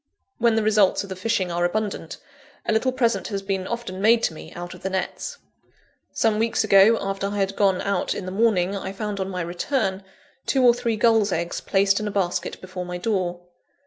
When the results of the fishing are abundant, a little present has been often made to me, out of the nets. Some weeks ago, after I had gone out in the morning, I found on my return, two or three gulls' eggs placed in a basket before my door.